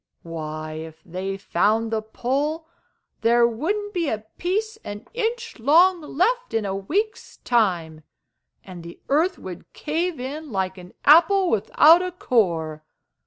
Why, if they found the Pole, there wouldn't be a piece an inch long left in a week's time, and the earth would cave in like an apple without a core!